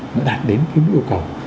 nó đạt đến cái mức yêu cầu